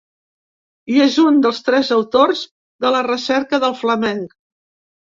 I és un dels tres autors de La recerca del flamenc.